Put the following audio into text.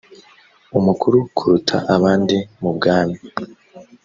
umukuru kuruta abandi mu bwami